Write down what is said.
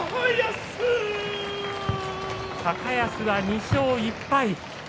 高安は２勝１敗。